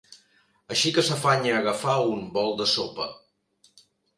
Així que s'afanya a agafar un bol de sopa.